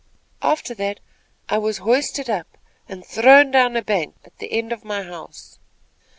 After that, I was hoisted up and thrown down a bank, at the end of my house.